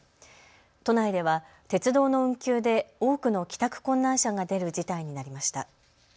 都内では鉄道の運休で多くの帰宅困難者が出る事態になりました。